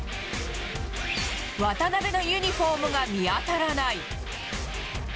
渡邊のユニホームが見当たらない。